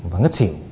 và ngất xỉu